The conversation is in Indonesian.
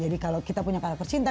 jadi kalau kita punya karakter cinta